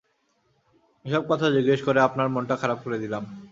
এসব কথা জিজ্ঞেস করে আপনার মনটা খারাপ করে দিলাম।